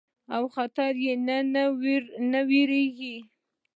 او خطري نه نۀ ويريږي